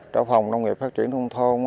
trọ phòng nông nghiệp phát triển nông thôn